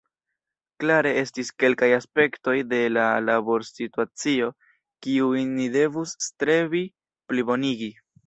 Klare estis kelkaj aspektoj de la laborsituacio, kiujn ni devus strebi plibonigi.